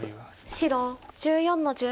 白１４の十七。